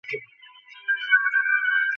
তিনি কোন bye run দেননি।